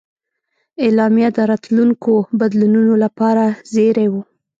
اعلامیه د راتلونکو بدلونونو لپاره زېری و.